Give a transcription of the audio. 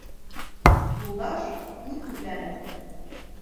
Юлдаш, үҙһүҙләнеп: